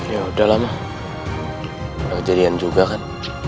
ya udah lah mah udah kejadian juga kan